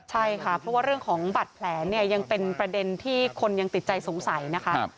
ใช่ค่ะเพราะว่าเรื่องของบัตรแผลเนี่ยยังเป็นประเด็นที่คนยังติดใจสงสัยนะคะ